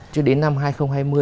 chưa đến năm hai nghìn hai mươi